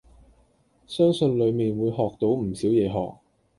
相信裡面會學到唔少嘢學。